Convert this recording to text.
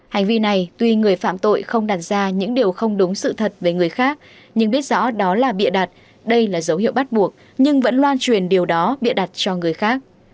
hành vi này tuy người phạm tội không đặt ra những điều không đúng sự thật về người khác nhưng biết rõ đó là bịa đặt đây là dấu hiệu bắt buộc nhưng vẫn loan truyền điều đó bịa đặt cho người khác